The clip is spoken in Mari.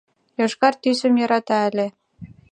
«...йошкар тӱсым йӧрата ыле.